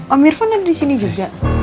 om irfan ada di sini juga